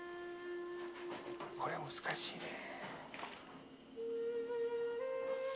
これ難しいね。